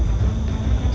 terima kasih pak man